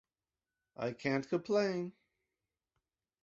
I can't complain.